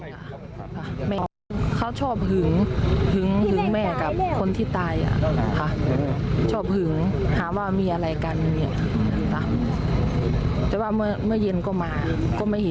แล้วก็คนตายเล่าให้ฟังว่าคนอื่นยังไม่รู้ค่ะ